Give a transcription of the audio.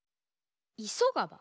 いそがば？